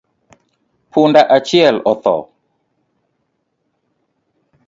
Punda achiel otho